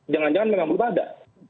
jangan jangan memang berubah ada